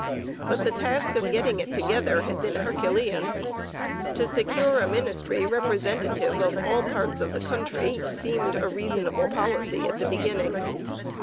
But the task of getting it together had been herculean. To secure a ministry representative of all parts of the country seemed a reasonable policy at the beginning.